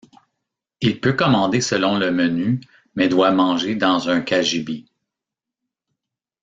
Il peut commander selon le menu mais doit manger dans un cagibi.